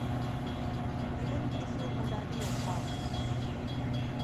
matineng kisu mudadiw haw?